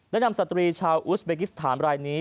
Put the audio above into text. นำสตรีชาวอุสเบกิสถานรายนี้